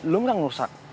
lu gak ngerusak